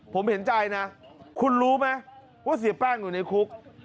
ผมเห็นใจนะคุณรู้ไหมว่าเสียแป้งอยู่ในคุก